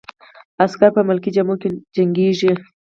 عسکر په ملکي جامو کې جنګیږي.